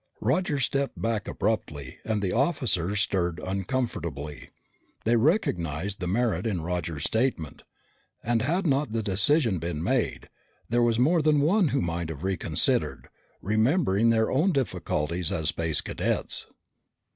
Roger stepped back abruptly and the officers stirred uncomfortably. They recognized the merit in Roger's statement, and had not the decision been made, there was more than one who might have reconsidered, remembering their own difficulties as Space Cadets.